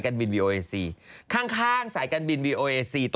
ต้องไปห้างอมรอันนี้